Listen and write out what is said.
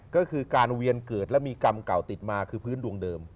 ก็คือการเวียนเกิดและมีกรรมเก่าติดมาคือพื้นดวงเดิม